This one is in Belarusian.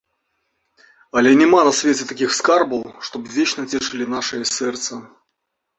Але няма на свеце такіх скарбаў, што б вечна цешылі нашае сэрца.